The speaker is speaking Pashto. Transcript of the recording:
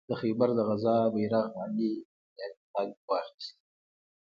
د خیبر د غزا بیرغ علي ابن ابي طالب واخیست.